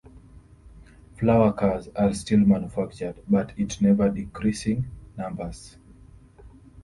Flower cars are still manufactured, but in ever decreasing numbers.